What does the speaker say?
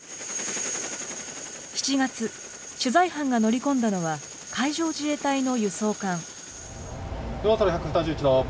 ７月、取材班が乗り込んだのは、海上自衛隊の輸送艦。